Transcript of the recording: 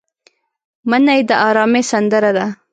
منی د ارامۍ سندره ده